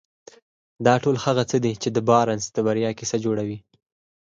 دا ټول هغه څه دي چې د بارنس د بريا کيسه جوړوي.